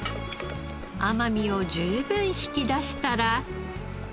甘みを十分引き出したら。